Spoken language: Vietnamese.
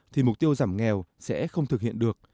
thì mục tiêu giảm nghèo sẽ không thực hiện được